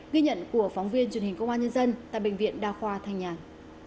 ghi nhận của phóng viên truyền hình công an nhân dân tại bệnh viện đa khoa thanh nhàn